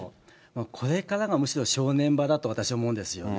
これからがむしろ正念場だと、私は思うんですよね。